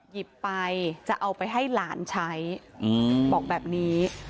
หยิบไปจะเอาไปให้หลานใช้บอกแบบนี้